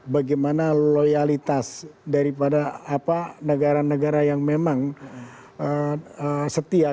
bagaimana loyalitas daripada negara negara yang memang setia